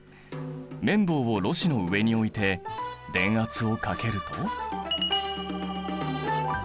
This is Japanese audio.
綿棒をろ紙の上に置いて電圧をかけると。